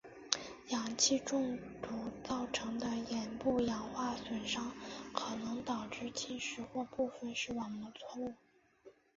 氧气中毒造成的眼部氧化损伤可能导致近视或部分视网膜脱落。